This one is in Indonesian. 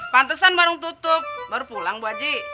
pantesan barung tutup baru pulang bu haji